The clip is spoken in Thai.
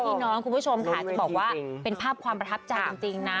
พ่อแม่ที่น้องคุณผู้ชมค่ะจะบอกว่าเป็นภาพความประทับจากจริงนะ